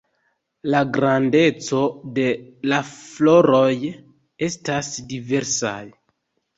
La grandeco de la floroj estas diversaj.